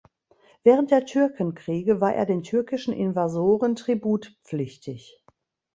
Während der Türkenkriege war er den türkischen Invasoren tributpflichtig.